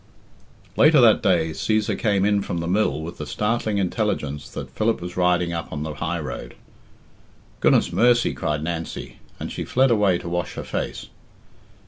VII. Latter that day Cæsar came in from the mill with the startling intelligence that Philip was riding up on the highroad. "Goodness mercy!" cried Nancy, and she fled away to wash her face.